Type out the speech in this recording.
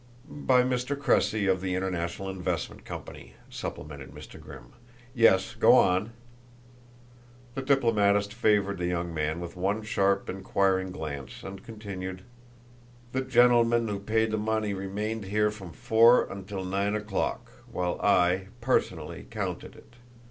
"By Mr. Cressy of the International Investment Company," supplemented Mr. Grimm. "Yes. Go on." The diplomatist favored the young man with one sharp, inquiring glance, and continued: "The gentleman who paid the money remained here from four until nine o'clock while I, personally, counted it.